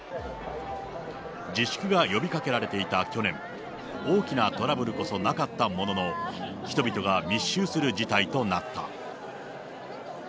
自粛が呼びかけられていた去年、大きなトラブルこそなかったものの、人々が密集する事態となった。